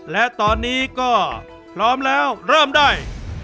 และตอนนี้ก็พร้อมแล้วเริ่มได้